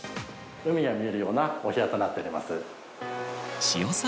海が見えるようなお部屋となっております。